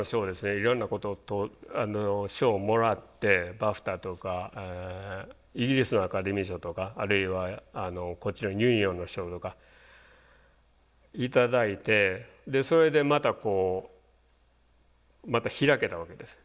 いろんな賞をもらってＢＡＦＴＡとかイギリスのアカデミー賞とかあるいはこっちのＵＮＩＯＮの賞とか頂いてそれでまたこうまた開けたわけです。